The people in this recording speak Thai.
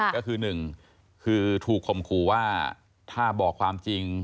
ก็คือหนึ่งคือถูกคมขู่ว่าถ้าบอกความจริง